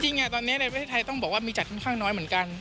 จริงตอนนี้ในประเทศไทยต้องบอกว่ามีจัดค่อนข้างน้อยเหมือนกัน